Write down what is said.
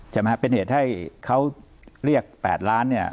ใช่ไหมครับเป็นเหตุให้เขาเรียก๘ล้านเนี่ย